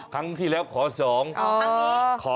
ครั้งที่แล้วขอ๒ครั้งนี้ขอ๓